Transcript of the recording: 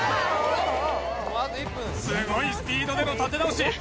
すごいスピードでの立て直し